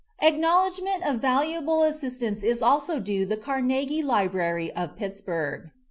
Acknowledgment of valuable assistance is also due the Carnegie Library of Pittsburgh.